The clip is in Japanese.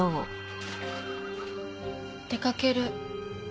出かける。